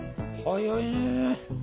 早いね。